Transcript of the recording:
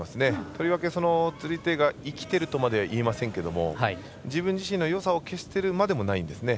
とりわけ、釣り手が生きてるとまでは言いませんが自分自身のよさを消してるまでもないんですね。